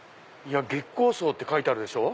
「月光荘」って書いてあるでしょ。